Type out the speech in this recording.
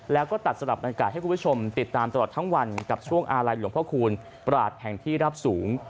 แล้วก็ตัดสลับบรรยากาศให้คุณผู้ชมติดตามตลอดทั้งวันกับช่วงอาลัยหลวงพ่อคูณปราศแห่งที่รับสูง